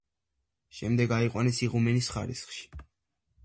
შემდეგ აიყვანეს იღუმენის ხარისხში.